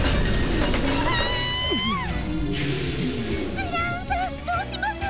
ブラウンさんどうしましょう？